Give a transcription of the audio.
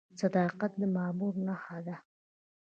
صداقت د مامور نښه ده؟